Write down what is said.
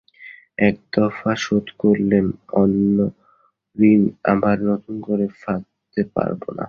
একদফা শোধ করলেম, অন্নঋণ আবার নূতন করে ফাঁদতে পারব না।